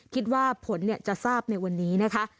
คิดว่าผลจะทราบในวันนี้นะคะ